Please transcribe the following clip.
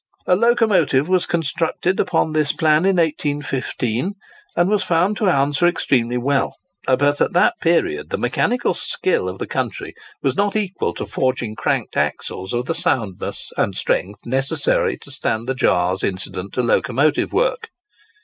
A locomotive was constructed upon this plan in 1815, and was found to answer extremely well. But at that period the mechanical skill of the country was not equal to forging cranked axles of the soundness and strength necessary to stand the jars incident to locomotive work.